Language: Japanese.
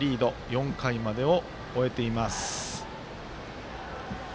４回までを終えています。